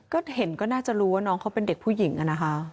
ก็เห็นก็น่าจะรู้ว่าน้องเขาเป็นเด็กผู้หญิงอะนะคะ